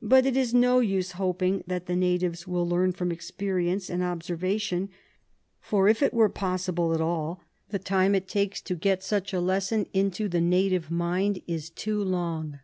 But it is no use hoping that the natives will learn from experience and observation , for if it were possible at all, the time it takes to get such a lesson into the native mind is too long.